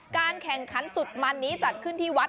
การแข่งขันสุดมันนี้จัดขึ้นที่วัด